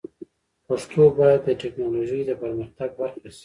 پښتو باید د ټکنالوژۍ د پرمختګ برخه شي.